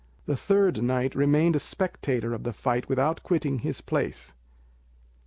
The third knight remained a spectator of the fight without quitting his place.